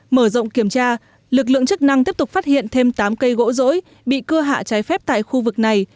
mở rộng kiểm tra lực lượng chức năng tiếp tục phát hiện thêm tám cây gỗ rỗi bị cưa hạ trái phép tại khu vực này